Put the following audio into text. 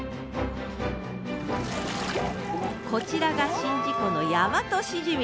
こちらが宍道湖のヤマトシジミ。